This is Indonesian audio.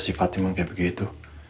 si fatimah kayak begitu